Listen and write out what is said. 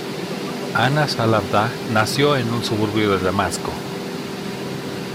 Anas al-Abdah Nació en un suburbio de Damasco.